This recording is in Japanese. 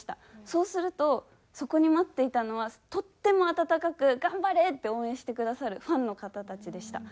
そうするとそこに待っていたのはとっても温かく「頑張れ！」って応援してくださるファンの方たちでした。